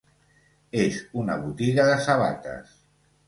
És una botiga de sabates.